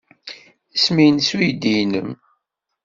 Isem-nnes uydi-nnem?